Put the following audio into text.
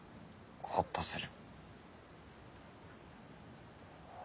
ほっとする？